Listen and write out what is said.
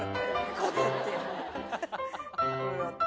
こうやって？